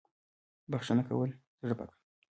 بخښنه کول زړه پاکوي